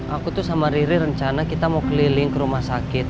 aku tuh sama riri rencana kita mau keliling ke rumah sakit